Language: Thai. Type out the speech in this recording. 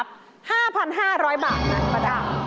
๕๕๐๐บาทป้าดา